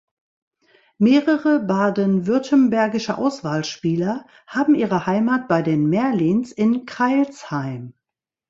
Mehrere baden-württembergische Auswahlspieler haben ihre Heimat bei den Merlins in Crailsheim.